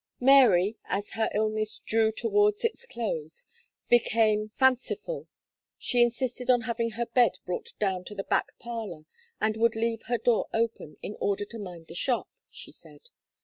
Mary, as her illness drew towards its close, became fanciful, she insisted on having her bed brought down to the back parlour, and would leave her door open, "in order to mind the shop," she said.